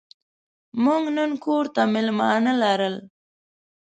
موږ نن کور ته مېلمانه لرل.